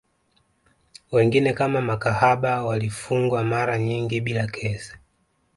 Wengine kama makahaba walifungwa mara nyingi bila kesi